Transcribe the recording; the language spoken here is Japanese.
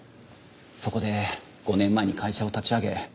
そこで５年前に会社を立ち上げ